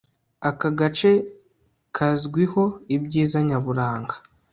aka gace kazwiho ibyiza nyaburanga